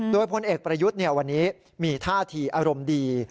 โดยพลเอกประยุทธ์วันนี้มีท่าทีอารมณ์ดี